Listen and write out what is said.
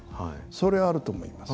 それはあると思います。